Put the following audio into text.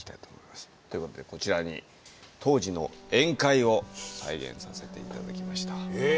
という事でこちらに当時の宴会を再現させて頂きました。